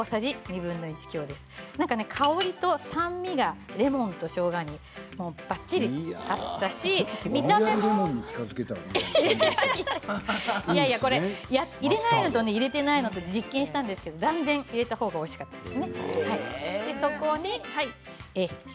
香りと酸味がレモンとしょうがにばっちり合ったし、見た目も入れたのと入れてないのと実験したんですが断然、入れたほうがおいしかったです。